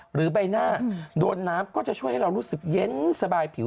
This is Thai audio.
ใบหน้าโดนน้ำก็จะช่วยให้เรารู้สึกเย็นสบายผิว